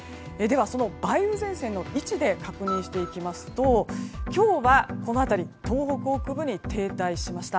梅雨前線の位置で確認していきますと今日はこの辺り東北北部に停滞しました。